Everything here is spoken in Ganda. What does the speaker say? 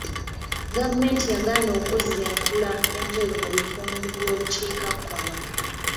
Gavumenti yagaana okuzza enkula enjeru mu bitundu by'obukiikakkono.